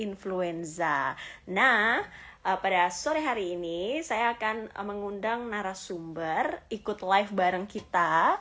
influenza nah pada sore hari ini saya akan mengundang narasumber ikut live bareng kita